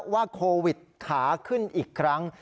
ว่าโควิดขาขึ้นอีกครั้ง